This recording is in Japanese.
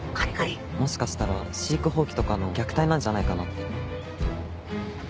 もしかしたら飼育放棄とかの虐待なんじゃないかなって。